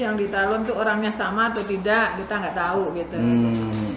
yang dimaksud yang di talun itu orangnya sama atau tidak kita nggak tahu gitu